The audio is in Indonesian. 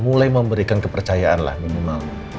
mulai memberikan kepercayaan lah minimal